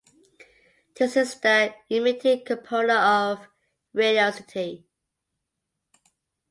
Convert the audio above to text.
This is the emitted component of radiosity.